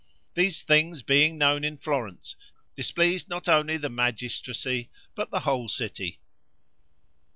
These things being known in Florence, displeased not only the magistracy, but the whole city.